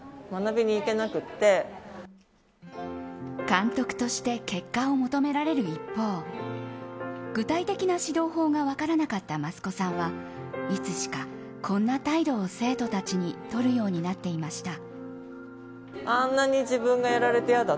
監督として結果を求められる一方具体的な指導法が分からなかった益子さんはいつしかこんな態度を生徒たちにとるようになっていました。